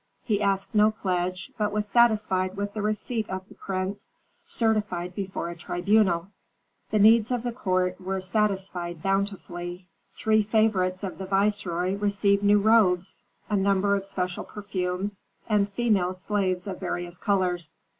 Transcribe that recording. He asked no pledge, but was satisfied with the receipt of the prince, certified before a tribunal. The needs of the court were satisfied bountifully. Three favorites of the viceroy received new robes, a number of special perfumes, and female slaves of various colors.